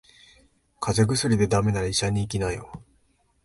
風邪薬で駄目なら医者に行きなよ。